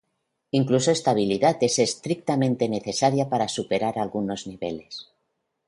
Incluso esta habilidad es estrictamente necesaria para superar algunos niveles.